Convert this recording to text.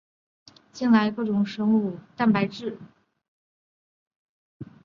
近来在各种生物体中表征蛋白质的工作已经揭示了锌离子在多肽稳定中的重要性。